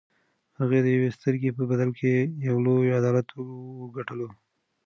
مرغۍ د یوې سترګې په بدل کې یو لوی عدالت وګټلو.